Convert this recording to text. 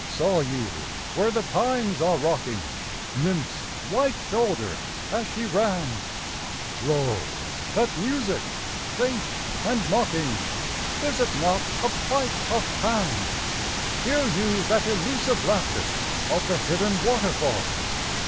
Saw you where the pines are rocking Nymph's white shoulder as she ran? Lo, that music faint and mocking, Is it not a pipe of Pan? Hear you that elusive laughter Of the hidden waterfall?